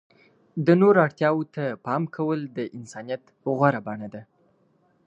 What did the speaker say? د نورو اړتیاوو ته پام کول د انسانیت غوره بڼه ده.